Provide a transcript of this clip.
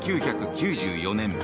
１９９４年